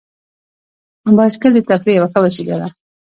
بایسکل د تفریح یوه ښه وسیله ده.